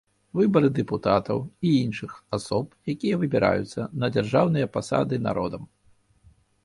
Выбары дэпутатаў і іншых асоб, якія выбіраюцца на дзяржаўныя пасады народам.